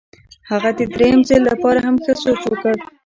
هغه د درېیم ځل لپاره هم ښه سوچ وکړ.